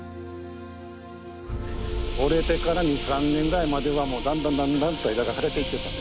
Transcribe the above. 折れてから２３年ぐらいまではもうだんだんだんだんと枝が枯れてきてたんですよ。